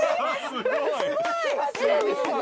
すごい。